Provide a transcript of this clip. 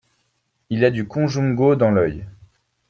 Il a du conjungo dans l'oeil.